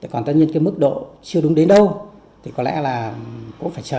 còn tất nhiên cái mức độ chưa đúng đến đâu thì có lẽ là cũng phải chờ